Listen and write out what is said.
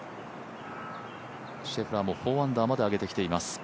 シェフラーも４アンダーまで上げてきています。